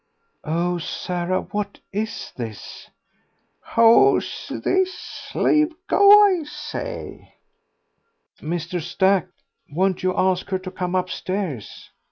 "Oh, Sarah, what is this?" "Who's this? Leave go, I say." "Mr. Stack, won't you ask her to come upstairs?...